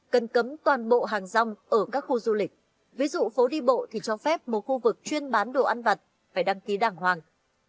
cần cấm toàn bộ hàng rong ở các khu du lịch ví dụ phố đi bộ thì cho phép một khu vực chuyên bán đồ ăn vặt phải đăng ký đàng hoàng